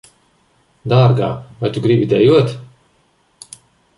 Dārgā, vai tu gribi dejot?